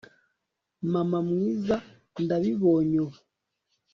mama mwiza, ndabibonye ubu